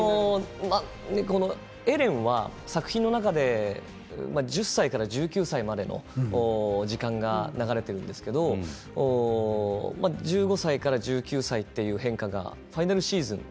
エレンは作品の中で１０歳から１９歳までの時間が流れているんですけれど１５歳から１９歳という変化がファイナルシーズン